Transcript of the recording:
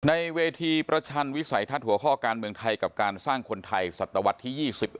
ในเวทีประชันวิสัยทัศน์หัวข้อการเมืองไทยกับการสร้างคนไทยศัตวรรษที่๒๑